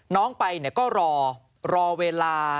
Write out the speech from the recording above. น้องไปก็รอรอเวลา